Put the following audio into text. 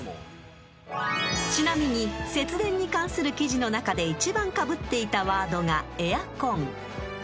［ちなみに節電に関する記事の中で１番かぶっていたワードが「エアコン」］